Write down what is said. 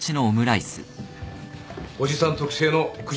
おじさん特製のクジライス。